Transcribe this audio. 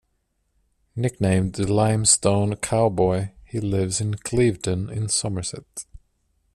Nicknamed The Limestone Cowboy, he lives in Clevedon in Somerset.